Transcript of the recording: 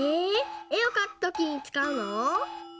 えをかくときにつかうの？